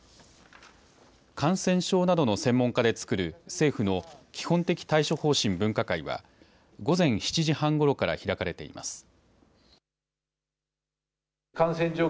感染症などの専門家で作る政府の基本的対処方針分科会は午前７時半ごろから開かれています。